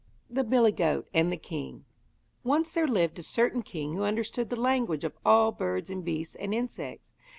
THE BILLY GOAT AND THE KING Once there lived a certain king who understood the language of all birds and beasts and insects.